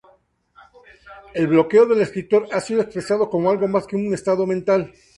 El bloqueo del escritor ha sido expresado como algo más que un estado mental.